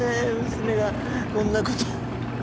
娘がこんなこと。